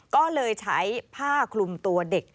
ก็เลยใช้ผ้าคลุมตัวเด็ก